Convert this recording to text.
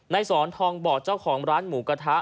ในศรทองบอกตัวเจ้าของร้านหมู่กะทะ